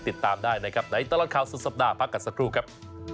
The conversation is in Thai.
ติดตามได้นะครับในตลอดข่าวสุดสัปดาห์พักกันสักครู่ครับ